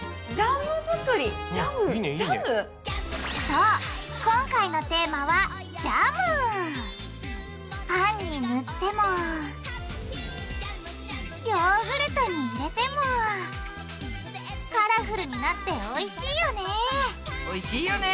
そう今回のテーマはパンに塗ってもヨーグルトに入れてもカラフルになっておいしいよねおいしいよね。